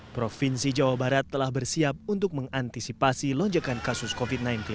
provinsi jawa barat telah bersiap untuk mengantisipasi lonjakan kasus covid sembilan belas